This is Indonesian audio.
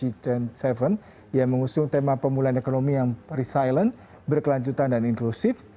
yang mengusung tema pemulihan ekonomi yang resilent berkelanjutan dan inklusif